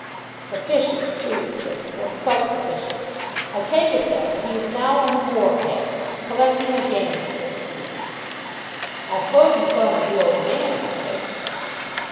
"Sufficient, too," said Psmith, "quite sufficient. I take it, then, that he is now on the war path, collecting a gang, so to speak." "I suppose he's gone to the Old Man about it."